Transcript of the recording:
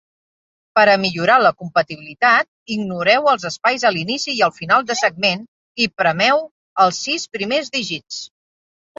Per a millorar la compatibilitat, ignoreu els espais a l'inici i al final de segment, i preneu els sis primers dígits.